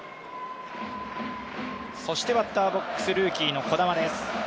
バッターボックスルーキーの児玉です。